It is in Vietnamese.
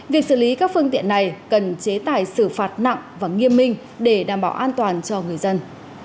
việc xử lý các phương tiện này cần chế tài xử phạt nặng và nghiêm minh để đảm bảo an toàn cho người dân